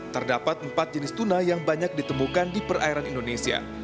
terdapat empat jenis tuna yang banyak ditemukan di perairan indonesia